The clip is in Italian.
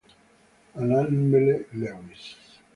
Annabelle Lewis